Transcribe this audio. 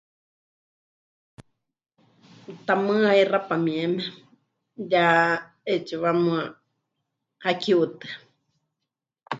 Tamɨ́ haixápa mieme ya 'eetsiwa muuwa 'aki 'utɨa.